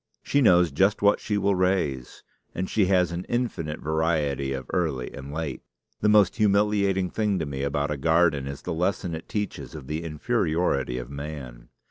She knows just what she will raise; and she has an infinite variety of early and late. The most humiliating thing to me about a garden is the lesson it teaches of the inferiority of man.